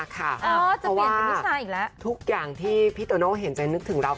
ก็เลยนิดถึงเขา